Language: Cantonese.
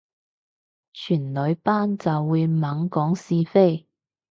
全女班就會猛講是非